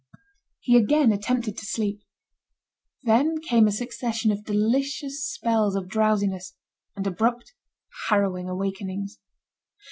He again attempted to sleep. Then came a succession of delicious spells of drowsiness, and abrupt, harrowing awakenings.